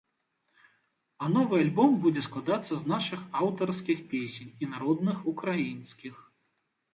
А новы альбом будзе складацца з нашых аўтарскіх песень і народных украінскіх.